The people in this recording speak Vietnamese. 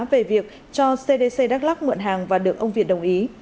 về việc cho cdc đắk lắc mượn hàng và được ông việt đồng ý